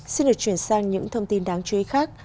xin được chuyển sang những thông tin đáng chú ý khác